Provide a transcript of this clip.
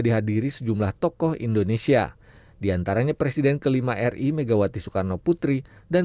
dihadiri sejumlah tokoh indonesia diantaranya presiden kelima ri megawati soekarno putri dan